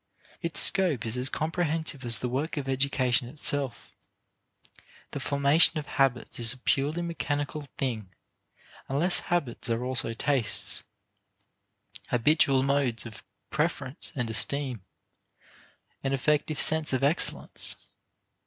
Its scope is as comprehensive as the work of education itself. The formation of habits is a purely mechanical thing unless habits are also tastes habitual modes of preference and esteem, an effective sense of excellence.